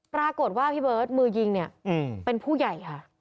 ปรากฏว่าพี่เบิร์ตมือยิงเนี่ยเป็นผู้ใหญ่ค่ะ